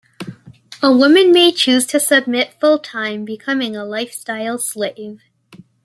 A woman may choose to submit full-time, becoming a lifestyle slave.